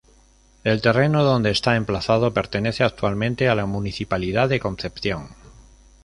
El terreno donde está emplazado pertenece actualmente a la municipalidad de Concepción.